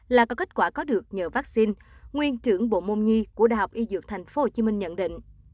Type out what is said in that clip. là có kết quả có được nhờ vaccine nguyên trưởng bộ môn nhi của đại học y dược tp hcm nhận định